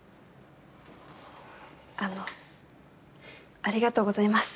あのありがとうございます。